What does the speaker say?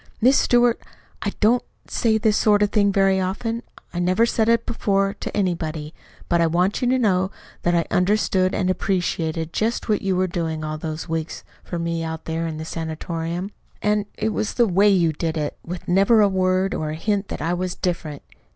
"Miss Stewart, I don't say this sort of thing very often. I never said it before to anybody. But I want you to know that I understood and appreciated just what you were doing all those weeks for me out there at the sanatorium. And it was the WAY you did it, with never a word or a hint that I was different.